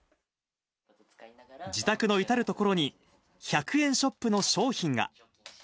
自宅の至る所に、１００円ショップの商品が。